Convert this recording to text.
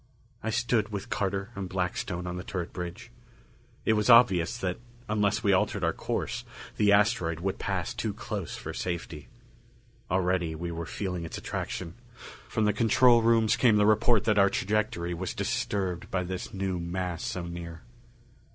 I stood with Carter and Blackstone on the turret bridge. It was obvious, that unless we altered our course, the asteroid would pass too close for safety. Already we were feeling its attraction; from the control rooms came the report that our trajectory was disturbed by this new mass so near.